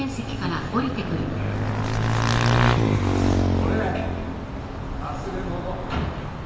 ・これ忘れ物。